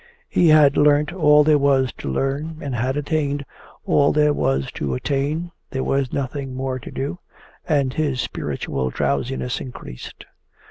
He had learnt all there was to learn and had attained all there was to attain, there was nothing more to do and his spiritual drowsiness increased.